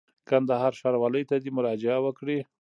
کندهار ښاروالۍ ته دي مراجعه وکړي.